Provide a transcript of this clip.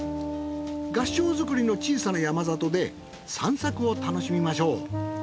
合掌造りの小さな山里で散策を楽しみましょう。